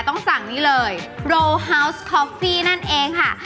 ต้องสั่งนี่เลยโรฮาวส์ท็อฟฟี่นั่นเองค่ะ